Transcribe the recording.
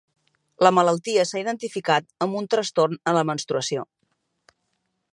La malaltia s'ha identificat amb un trastorn en la menstruació.